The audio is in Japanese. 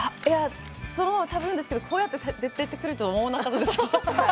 そのまま食べるんですけど、こうやって出てくるとは思わなかったです。